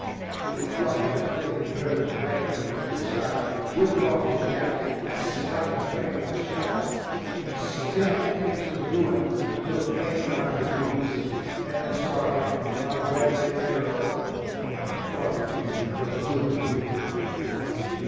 He flung the deflated burning rags of cushion aside, whipped off his jacket and sprang at the flames with a shout. He stamped into the ruin until flames ran up his boots. Edna saw him, a red lit hero, and thought it was good to be a man.